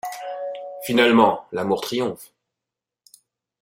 Finalement, l'amour triomphe.